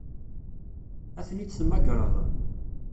Ad ten-id-temmagreḍ?